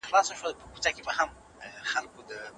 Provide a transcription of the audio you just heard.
د لویې جرګي په شانداره پرانیستلو کي څه مراسم ترسره کیږي؟